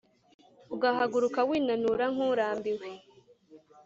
ugahaguruka winanura nk’urambiwe